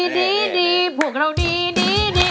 ดีพวกเราดี